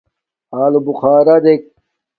آلݸبُخݳرݺ دݵک.